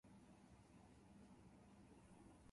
エソンヌ県の県都はエヴリーである